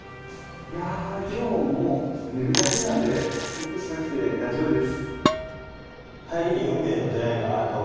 いやあ今日もう寝るだけなんでセットしなくて大丈夫です。